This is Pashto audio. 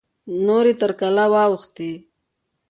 نورې تر کلا واوښتې.